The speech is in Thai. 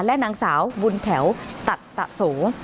และนางสาวบุญแถวตัดตะโส